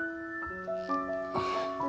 ああ。